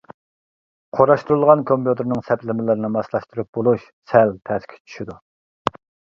قۇراشتۇرۇلغان كومپيۇتېرنىڭ سەپلىمىلىرىنى ماسلاشتۇرۇپ بولۇش سەل تەسكە چۈشىدۇ.